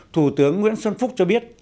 thủ tướng nguyễn xuân phúc cho biết